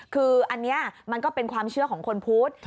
คืออันนี้มันก็เป็นความเชื่อของคนพุทธ